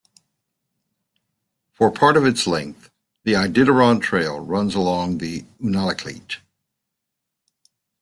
For part of its length, the Iditarod Trail runs along the Unalakleet.